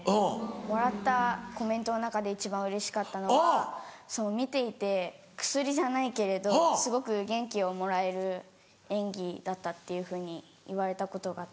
もらったコメントの中で一番うれしかったのが見ていて薬じゃないけれどすごく元気をもらえる演技だったっていうふうに言われたことがあって。